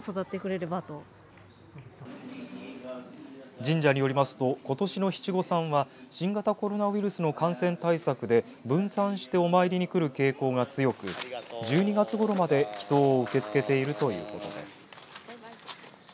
神社によりますとことしの七五三は新型コロナウイルスの感染対策で分散してお参りにくる傾向が強く１２月ごろまで祈とうを受け付けているということです。